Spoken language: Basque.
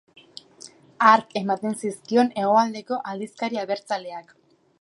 Hark ematen zizkion hegoaldeko aldizkari abertzaleak.